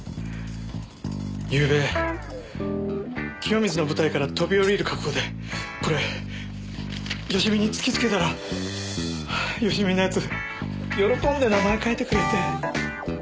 ゆうべ清水の舞台から飛び降りる覚悟でこれ佳美に突きつけたら佳美のやつ喜んで名前書いてくれて。